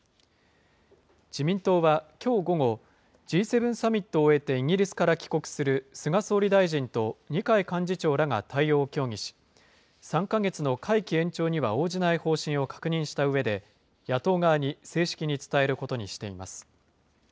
自民党はきょう午後、Ｇ７サミットを終えてイギリスから帰国する菅総理大臣と二階幹事長らが対応を協議し、３か月の会期延長には応じない方針を確認したうえで、野党側に正式に伝えることにしています。